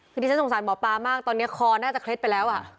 ฉันสงสารหมอปลามากตอนนี้คอคอน่าจะเคร็ดไปแล้ว